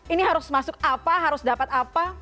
ini harus masuk apa harus dapat apa